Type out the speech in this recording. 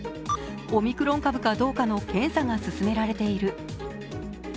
オミクロン株かどうかの検査が進められている。